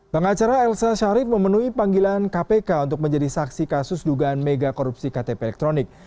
pengacara elsa sharif memenuhi panggilan kpk untuk menjadi saksi kasus dugaan mega korupsi ktp elektronik